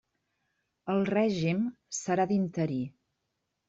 El règim serà d'interí.